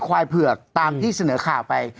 ควายเผือกตามที่เสนอข่าวไป